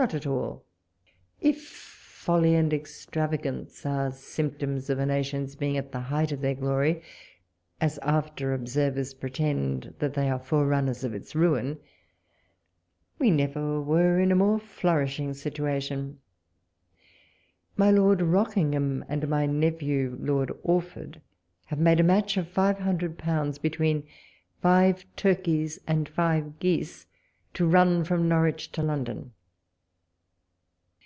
— not at all ; if folly and extravagance are symptoms of a nation's being at the height of their glory, as after observers pretend that they are forerunners of its ruin, we never were in a more flourishing situation. My Lord Rock ingham and my nephew Loid Orford have made a match of five hundred pounds, between five turkeys and five geese, to run from Norwich to London.